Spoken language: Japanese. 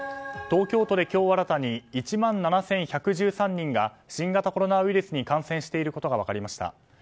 東京都で今日新たに１万７１１３人が新型コロナウイルスに感染していることが分かりました。